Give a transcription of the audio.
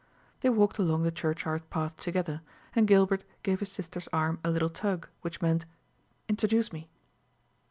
They walked along the churchyard path together, and Gilbert gave his sister's arm a little tug, which meant, "Introduce me."